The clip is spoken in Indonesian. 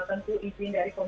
tentu izin dari sekolah